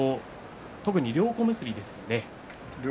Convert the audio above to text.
特に両小結ですよね。